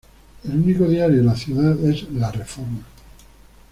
El único diario de la ciudad es "La Reforma".